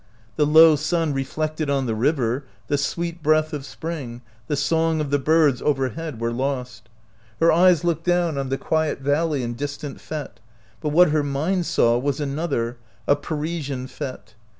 The low sun reflected on the river, the sweet breath of spring, the song of the birds over head were lost. Her eyes looked down on the quiet valley and distant f£te, but what her mind saw was another — a Parisian fete.